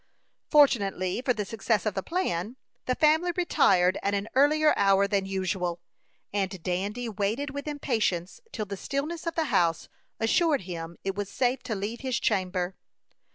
Fortunately for the success of the plan, the family retired at an earlier hour than usual, and Dandy waited with impatience till the stillness of the house assured him it was safe to leave his chamber.